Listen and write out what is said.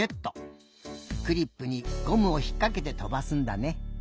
クリップにゴムをひっかけてとばすんだね。